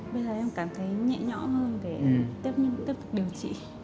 bây giờ em cảm thấy nhẹ nhõm hơn để tiếp tục điều trị